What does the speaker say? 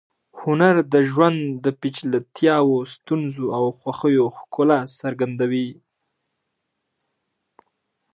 هنر د ژوند د پیچلتیاوو، ستونزو او خوښیو ښکلا څرګندوي.